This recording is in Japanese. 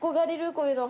こういうの。